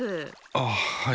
あっはい。